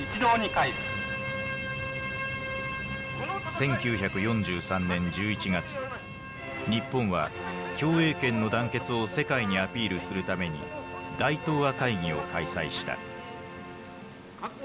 １９４３年１１月日本は共栄圏の団結を世界にアピールするために大東亜会議を開催した。